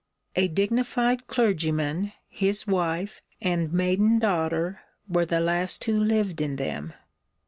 A dignified clergyman, his wife, and maiden daughter were the last who lived in them.